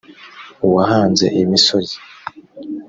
uwahanze imisozi